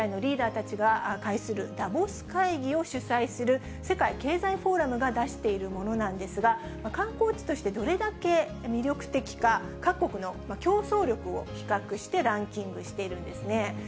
こちらは世界の政治・経済のリーダーたちが会するダボス会議が主催する世界経済フォーラムが出しているものなんですが、観光地としてどれだけ魅力的か、各国の競争力を比較してランキングしているんですね。